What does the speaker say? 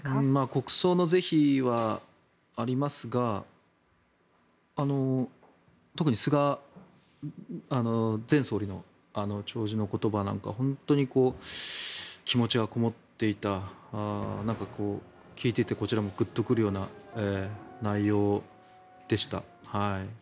国葬の是非はありますが特に菅前総理の弔辞の言葉なんか本当に気持ちがこもっていた聞いていてこちらもグッとくるような内容でした。